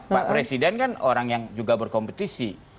pak presiden kan orang yang juga berkompetisi